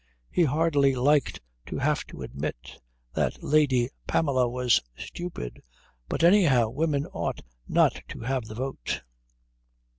He hardly liked to have to admit that Lady Pamela was stupid, but anyhow women ought not to have the vote.